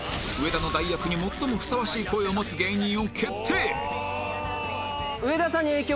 上田の代役に最もふさわしい声を持つ芸人を決定！